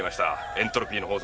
エントロピーの法則